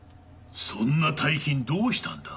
そんな大金どうしたんだ？